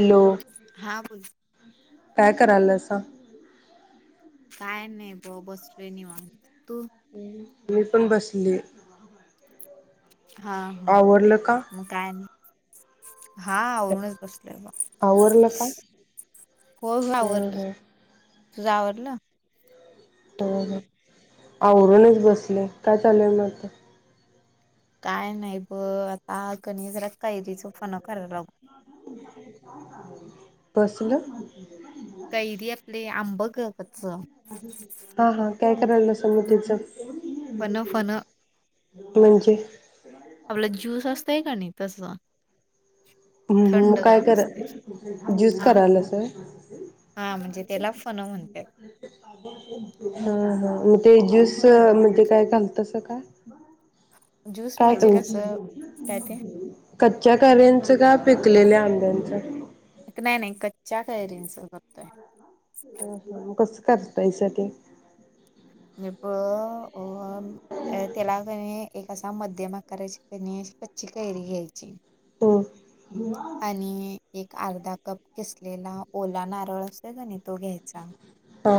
Hello! हा बोल काय करायलसा? काय नाही ब - बसलो निवांत तू? मी पण बसली. हा हा आवरलं का? मग काय नाय. हा आवरूनच बसलोय बघ, आवरलं का? हो हो हं आवरलं, हं तुझ आवरलं, हम् हम् आवरूनच बसले काय चाल म आता? काय नाही ब आता कणी जरा कायरीची फन करायला लागलोय. कसलं? कैरी आपली आंब गं कच हा हा काय कराय लागलासा? म त्यांच फणं फणं म्हणजे आपला ज्यूस असतय काणी तसं मग काय थंडगार करा असते ज्यूस हा कराय लागलासा व्हय हा म्हणजे त्याला फणं म्हणतात. हा हा मग ते ज्यूस म्हणजे काय घालतस का? ज्युस काय कच्चा कैयऱ्यांचं का पिकलेल्या आंब्यांचं नाही नाही कच्च्या काैरींच करतोय. हम्म हम्म कसं करतायसा ते हे ब अ त्याला कणी एक असा मध्यम आकाराची कणी कच्ची कैरी घ्यायची. हम् आणि एक अर्धा कप किसलेला ओला नारळ असेल कणि तो घ्यायचा. हा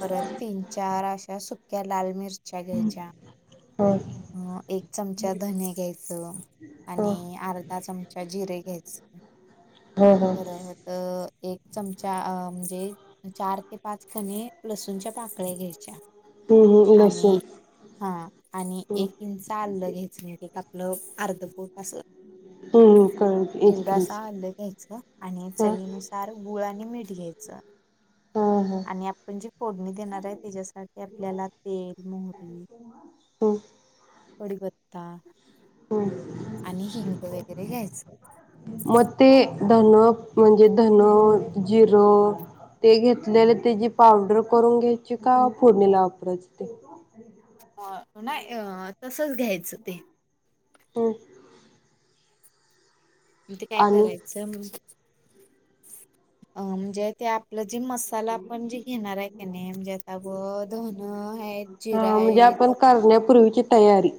परत तीन, चार अशा सुक्या लाल मिरच्या घ्यायच्या. हा अ एक चमचा धने घ्यायचं हा आणि अर्धा चमचा जिरे घ्यायचं हा हा परत एक चमचा म्हणजे चार ते पाच कणि लसूणच्या पाकळ्या घ्यायच्या हम्म हम्म लसूण आणि हा आणि हम्म एक इंच आलं घ्यायच म्हणजे आपलं अर्ध बोट अस हम् काळलं एवढासा आलं घ्यायच, आणि हा हा चवीनुसार गुळ आणि मीठ घ्यायचं. हम् हम् आणि आपण जी फोडणी देणार आहे त्याच्यासाठी आपल्याला तेल, मोहरी हम्म कडीपत्ता हम्म आणि हिंग वगैरे घ्यायच. म ते धन म्हणजे धन जिरं ते घेतलेलं तेची पावडर करून घ्यायची का? फोडणीला वापरायच ते. अ नाही अ तसच घ्यायचं ते हम् आणि ते काय करायचं? अ म्हणजे ते आपलं जे मस - साला आपण जे घेणार हाय काय नाहीे म्हणजे आता बघ धन हाईत, जिरं हाईत. करण्या पूर्वीची तयारी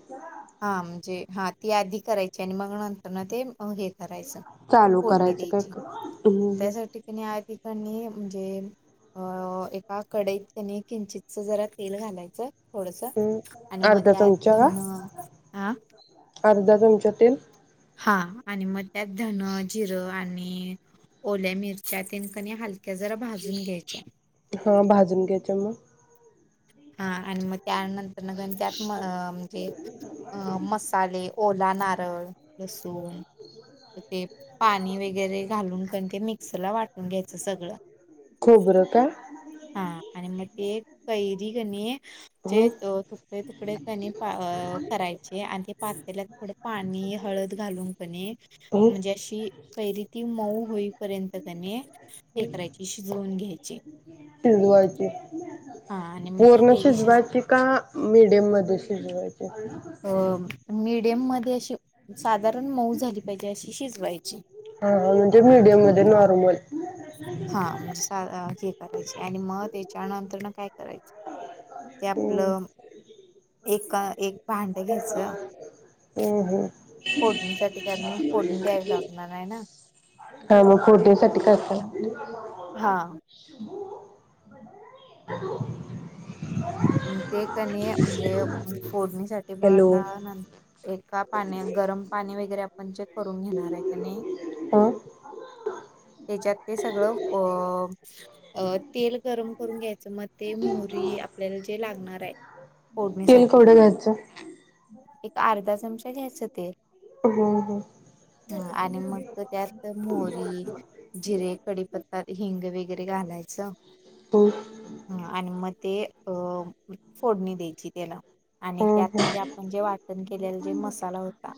हा म्हणजे हा ती आधी करायची आणि मग नंतर न ते हे करायचं. चालू करायचं काय का? हम् ते कणी आधी कणी म्हणजे - अ एका कढईत कणी किंचितस जरा तेल घालायचं. थोडस हम्म आणि मग अर्धा त्यात चमचा का धन, हा अर्धा चमचा तेल हा आणि मग त्यात धन, जिरं आणि ओल्या मिरच्या तेन कणी हलक्या जरा भाजून घ्यायच्या. हा भाजून घ्यायच्या म हा आणि मग त्यानंतर न कणी त्यात म म्हणजे अ मसाले ओला नारळ, लसूण ते पाणी वगैरे घालून कणी ते मिक्सरला वाटून घ्यायचं सगळं. खोबरं का? हा आणि मग ते कैरी कणी जे हम्म तुकडे तुकडे कणी प करायचे आणि ते पातलेल्यात थोडं पाणी हळद घालून कणी म्हणजे हम्म अशी कैरी ती मऊ होईपर्यंत कणी हे करायची शिजवून घ्यायची. शिजवायची हा आणि मग ती पूर्ण कैरी शिज शिजवायची का मीडियममध्ये शिजवाय अ मीडियम मध्ये अशी साधारण मऊ झाली पाहिजे अशी शिजवायची. अ म्हणजे मीडियम मध्ये नॉर्मल. हा म्हणजे सा हे करायची आणि म तेच्यानंतर न काय करायचं. ते हम् आपलं एक एक भांड घ्यायचं. हं हं. फोडणीसाठी कारण फोडणी द्यावी लागणार नाही ना. हा मग फोडाणीसाठी काय काय [unintelligible] हा. [unintelligible] बदलं नाहीये. का तु? ते कनी म्हणजे फोडणीसाठी ब हॅलो आता नं- एका पाण्या गरम पाणी वगैरे आपण जे करून घेणार हाय काय कणी हं. तेच्यात ते सगळं अ अ तेल गरम करून घ्यायचं मग ते मोहरी आपल्याला जे लागणार हाय. तेल केवढं घ्यायचं? एक अर्धा चमचा घ्यायचं तेल. हम्म हम्म ह आणि मग त्यात मोहरी. जिरे, कडीपत्ता, हिंग वैगेरे घालायचं. हम. हा आणि म ते अ फोडणी द्यायची तेला आणि हम्म त्यात हम्म म्हणजे आप म्हणजे वाटण केलेला जे मसाला होता.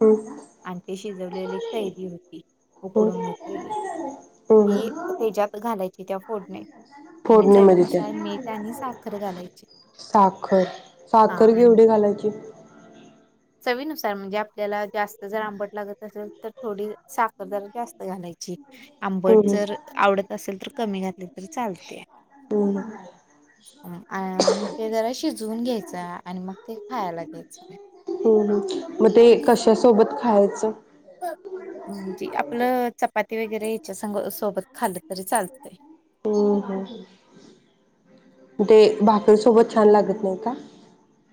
हम्म आणि ते शिजवलेली कैरी होती, हम्म उकडून मिटलेली, हम्म ती हम्म तेच्यात घालायचे त्या फोडणीत, आणि फोडणीमध्ये त्या चवीनुसार मीठ आणि साखर घालायची. साखर, हा साखर आणि केवढी घालायची? चवीनुसार म्हणजे, आपल्याला जास्त जर आंबट लागत असेल, तर थोडी साखर जरा जास्त घालायची. आंबट हम्म जर आवडत असेल तर कमी घातली तरी चालतीया. हम्म्म. अ जरा शिजवून घ्यायचं, आणि मग ते खायला घ्यायचं हं हं म ते कश्या सोबत खायचं? म्हणजे आपलं चपाती वगैरे याच्या सं सोबत खालं तरी चालतंय. हम्म हम्म. ते भाकरी सोबत छान लागत नाही का?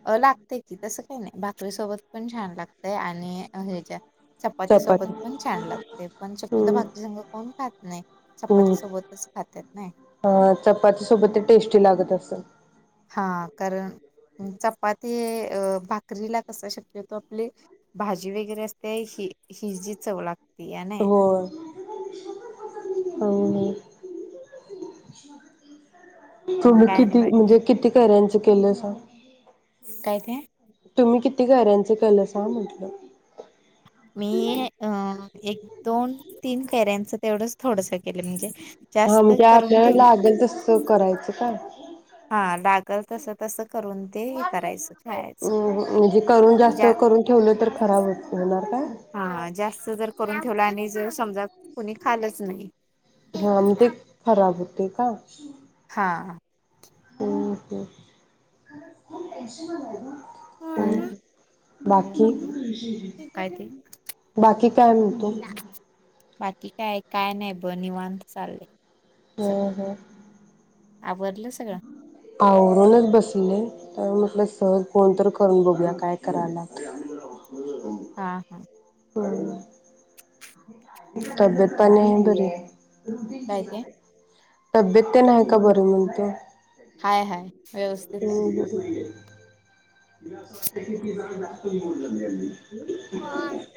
अ लागतय की तसं काही नाही भाकरीसोबत पण छान लागतय आणि हेच्या चपाती सोबत पण छान लागतय पण शक्यतो तर हम्म भाकरी संग कोण खात नाही. हम्म चपाती सोबतच खात्यात नई अ चपााती सोबत ते टेस्टी लागत असल. हा कारण चपाती अ भाकरीला कस शक्यतो आपली भाजी वेगैरे असत्या ही हिजी चव लाग होय. हो हो. मग तुम्ही काय नाही किती, बाकी म्हणजे किती कैर्यांची केलायसां. काय ते? तुम्ही किती कैऱ्यांची केलायसा म्हटलं मी अ अं एक दोन तीन कैऱ्यांचं तेवढंच थोडसं केलं म्हणजे हा जास्त म्हणजे करून आपल्याला ठेवलं लागेल तसं करायचं काय, हा लागल तस तसं करून ते हे करायचं. अ खायचं म्हणजे करून जास्त, जा करून ठेवलं तर खराब होणार काय? हा जास्त जर करून ठेवलं आणि जर समजा कोणी खालच नाही हा म ते खराब होतय का? हां. [unintelligible] बाकी काय ते बाकी काय म्हणतो? बाकी काय काय नाही बघ निवांत चाललंय सग ह ह आवरलं सगळं. आवरूनच बसलोय, तर म्हटलं सहज फोन तर करून बघूया काय कराला हा हा. बरं. तब्येत पाणी बरीये काय ते तब्येत तेन हाय का बरी म्हणतो हाय हाय व्यवस्थित नेहमी अस वाटत की ते जरा जास्तच बोललो घ्या आहे मी